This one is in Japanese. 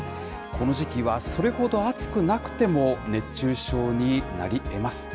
この時期は、それほど暑くなくても熱中症になりえます。